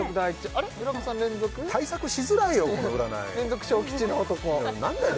あれっ平子さん連続対策しづらいよこの占い連続小吉の男なんだよ